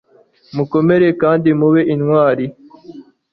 mukomere kandi mube intwari